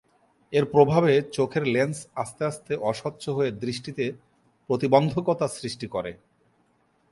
এর প্রভাবে চোখের লেন্স আস্তে আস্তে অস্বচ্ছ হয়ে দৃষ্টিতে প্রতিবন্ধকতা সৃষ্টি করে।